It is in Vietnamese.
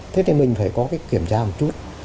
thế thì mình phải có cái kiểm tra một chút